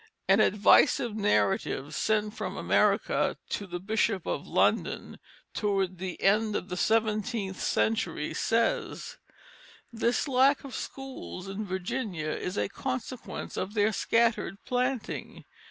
An "advisive narrative" sent from America to the Bishop of London, toward the end of the seventeenth century, says: "This lack of schools in Virginia is a consequence of their scattered planting.